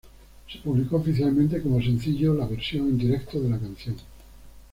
Se publicó oficialmente como sencillo la versión en directo de la canción.